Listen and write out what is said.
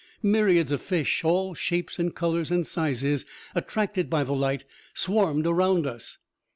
Myriads of fish, all shapes and colors and sizes, attracted by the light, swarmed around us.